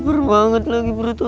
laper banget lagi berututuk